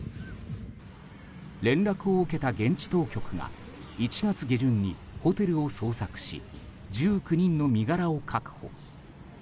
連絡を受けた現地当局が１月下旬にホテルを捜索し１９人の身柄を確保。